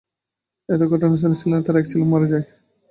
এতে ঘটনাস্থলেই সেলিনা ও তাঁর এক ছেলে মারা যায়।